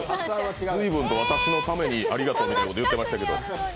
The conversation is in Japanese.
随分と私のためにありがとうと言ってましたけど。